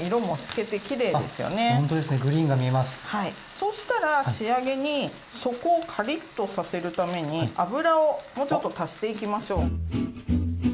そしたら仕上げに底をカリッとさせるために油をもうちょっと足していきましょう。